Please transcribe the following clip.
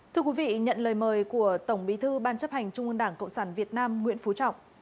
thưa quý vị nhận lời mời của tổng bí thư ban chấp hành trung ương đảng cộng sản việt nam nguyễn phú trọng